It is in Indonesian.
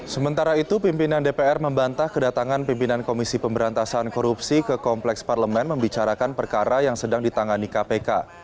sementara itu pimpinan dpr membantah kedatangan pimpinan komisi pemberantasan korupsi ke kompleks parlemen membicarakan perkara yang sedang ditangani kpk